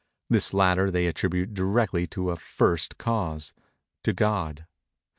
This latter they attribute directly to a First Cause—to God.